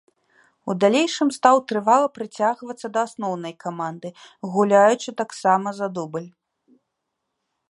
У далейшым стаў трывала прыцягвацца да асноўнай каманды, гуляючы таксама за дубль.